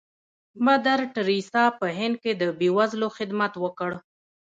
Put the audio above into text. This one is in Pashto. مدر ټریسا په هند کې د بې وزلو خدمت وکړ.